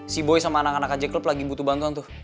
sea boy sama anak anak aja klub lagi butuh bantuan tuh